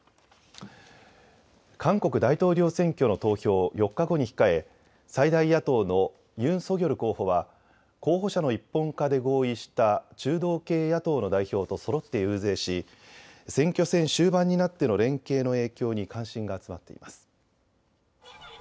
韓国大統領選挙の投票を４日後に控え最大野党のユン・ソギョル候補は候補者の一本化で合意した中道系野党の代表とそろって遊説し選挙戦終盤になっての連携の影響に関心が集まっています。